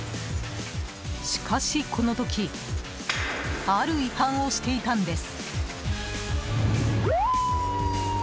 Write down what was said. しかし、この時ある違反をしていたんです。